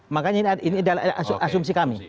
makanya ini adalah asumsi kami